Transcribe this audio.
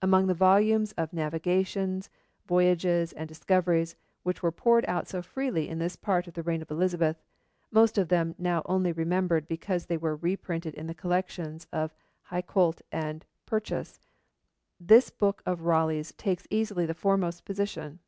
Among the volumes of navigations, voyages, and discoveries, which were poured out so freely in this part of the reign of Elizabeth, most of them now only remembered because they were reprinted in the collections of Hakluyt and Purchas, this book of Raleigh's takes easily the foremost position.